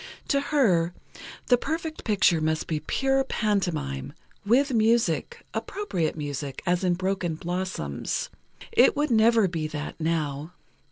To her, the perfect picture must be pure pantomime—with music—appropriate music, as in "Broken Blossoms." It would never be that, now.